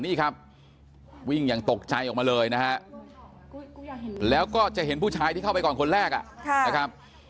นี่ครับวิ่งอย่างตกใจออกมาเลยนะฮะแล้วก็จะเห็นผู้ชายที่เข้าไปก่อนคนแรกนะครับ